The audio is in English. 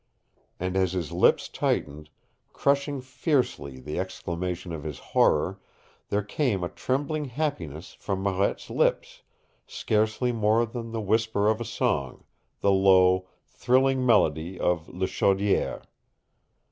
And as his lips tightened, crushing fiercely the exclamation of his horror, there came a trembling happiness from Marette's lips, scarcely more than the whisper of a song, the low, thrilling melody of Le Chaudiere.